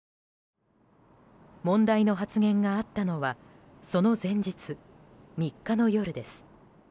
問題の発言があったのはその前日、３日の夜です。